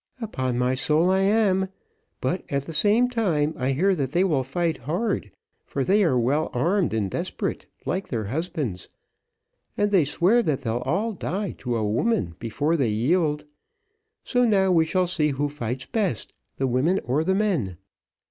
"Upon my soul I am; but, at the same time I hear, that they will fight hard, for they are well armed and desperate, like their husbands, and they swear that they'll all die to a woman, before they yield; so now we shall see who fights best, the women or the men.